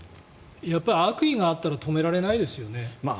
やっぱり悪意があったら止められないですよね。